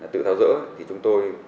tự tháo rỡ